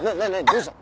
どうした？